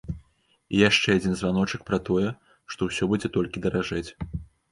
І яшчэ адзін званочак пра тое, што ўсё будзе толькі даражэць.